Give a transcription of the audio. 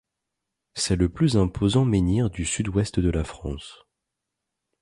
C'est le plus imposant menhir du Sud-Ouest de la France.